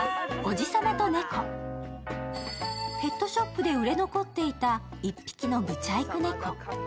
ペットショップで売れ残っていた１匹のブチャイク猫。